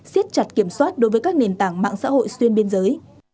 siết chặt kiểm soát đối với các nền tảng mạng xã hội